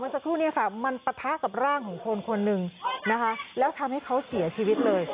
สักครู่เนี่ยค่ะมันปะทะกับร่างของคนคนหนึ่งนะคะแล้วทำให้เขาเสียชีวิตเลย